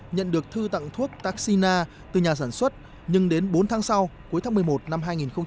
nhận được thư tặng thuốc taxina từ nhà sản xuất nhưng đến bốn tháng sau cuối tháng một mươi một năm hai nghìn một mươi chín